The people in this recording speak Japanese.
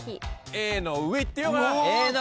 Ａの上いってみようかな。